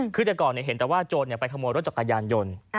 ครือด้าก่อนเนี่ยเห็นตั้งว่าโจรเนี่ยไปขโมยรถจักรยานยนต์